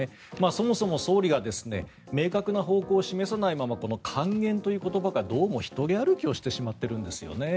そもそも、総理が明確な方向を示さないまま還元という言葉がどうも独り歩きをしてしまっているんですよね。